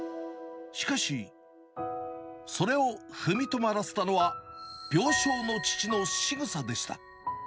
しかし、それを踏みとどまらせたのは、病床の父のしぐさでした。